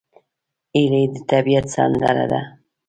هیلۍ د طبیعت سندره ده